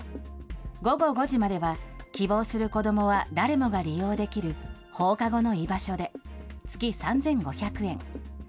午後５時までは希望する子どもは誰もが利用できる放課後の居場所で月３５００円。